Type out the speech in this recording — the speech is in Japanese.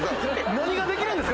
何ができるんですか？